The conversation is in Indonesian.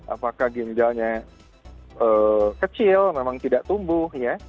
apakah ginjalnya kecil memang tidak tumbuh ya